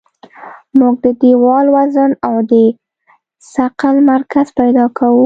موږ د دیوال وزن او د ثقل مرکز پیدا کوو